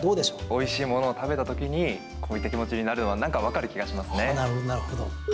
おいしいものを食べた時にこういった気持ちになるのはなるほどなるほど。